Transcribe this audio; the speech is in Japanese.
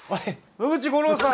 野口五郎さん。